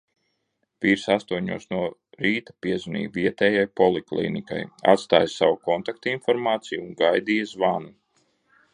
Vīrs astoņos no rīta piezvanīja vietējai poliklīnikai, atstāja savu kontaktinformāciju un gaidīja zvanu.